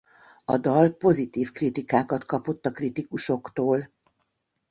A dal pozitív kritikákat kapott a kritikusoktól.